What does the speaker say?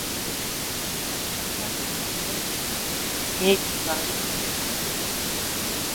اچانک اندھیرے میں سے ایک گاڑی نمودار ہوئی